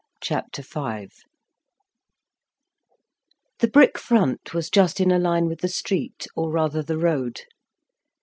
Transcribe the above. Chapter Five The brick front was just in a line with the street, or rather the road.